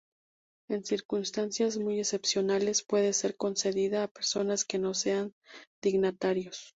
En circunstancias muy excepcionales, puede ser concedida a personas que no sean dignatarios.